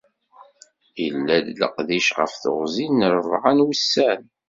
Yella-d leqdic ɣef teɣzi n rebεa n wussan.